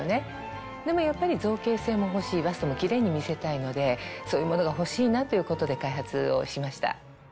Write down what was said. でもやっぱり造形性も欲しいバストもキレイに見せたいのでそういうものが欲しいなということで開発をしました。